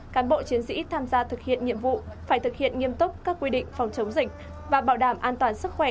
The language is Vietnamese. cán bộ chiến sĩ tham gia thực hiện nhiệm vụ phải thực hiện nghiêm túc các quy định phòng chống dịch và bảo đảm an toàn sức khỏe